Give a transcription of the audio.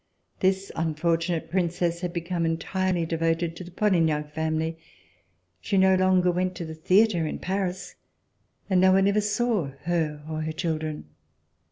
This unfortunate Princess had become entirely devoted to the Polignac family. She no longer went to the theatre in Paris, and no one ever saw her or her children.